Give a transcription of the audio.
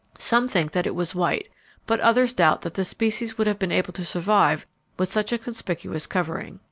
Some think that it was white, but others doubt that the species would have been able to survive with such a conspicuous covering.